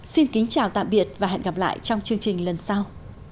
xin kính chào tạm biệt và hẹn gặp lại trong chương trình lần sau